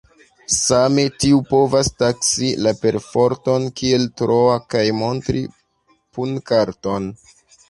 Same tiu povas taksi la perforton kiel troa kaj montri punkarton.